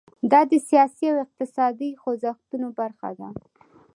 دا د سیاسي او اقتصادي خوځښتونو برخه ده.